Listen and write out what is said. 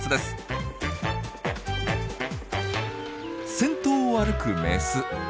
先頭を歩くメス。